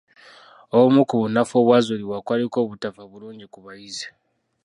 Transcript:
Obumu ku bunafu obwazuulibwa kwaliko obutafa bulungi ku bayizi.